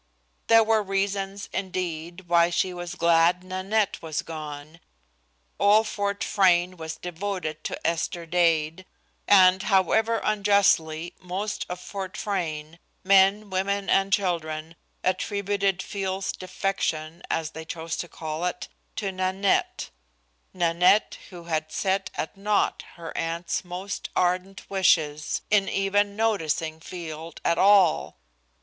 There were reasons, indeed, why she was glad Nanette was gone. All Fort Frayne was devoted to Esther Dade and, however unjustly, most of Fort Frayne, men, women and children, attributed Field's defection, as they chose to call it, to Nanette Nanette who had set at naught her aunt's most ardent wishes, in even noticing Field at all.